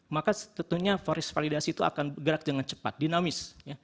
maka tentunya forest validasi itu akan bergerak dengan cepat dinamis